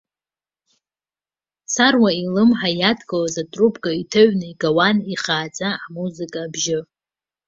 Саруа илымҳа иадкылаз атрубка иҭыҩны игауан ихааӡа амузыка бжьы.